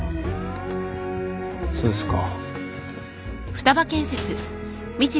そうですか。